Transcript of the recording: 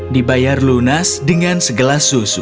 dibayar lunas dengan segelas susu